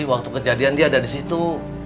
waktu kejadian dia ada disitu